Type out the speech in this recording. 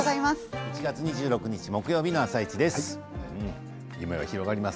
１月２６日木曜日の「あさイチ」です。